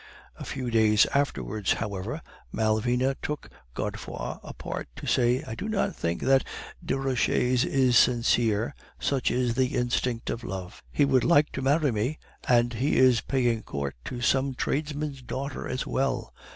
A few days afterwards, however, Malvina took Godefroid apart to say, 'I do not think that Desroches is sincere' (such is the instinct of love); 'he would like to marry me, and he is paying court to some tradesman's daughter as well.